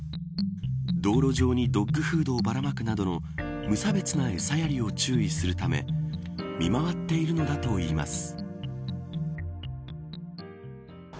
道路上にドッグフードをばらまくなどの無差別なえさやりを注意するため見守っているのだといいます。